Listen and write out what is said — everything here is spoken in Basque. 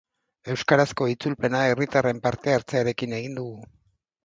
Euskarazko itzulpena herritarren parte-hartzearekin egin dugu.